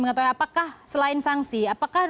mengetahui apakah selain sanksi apakah